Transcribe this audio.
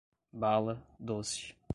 bala, doce